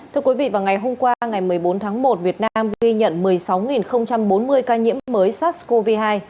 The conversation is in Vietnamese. thưa quý vị vào ngày hôm qua ngày một mươi bốn tháng một việt nam ghi nhận một mươi sáu bốn mươi ca nhiễm mới sars cov hai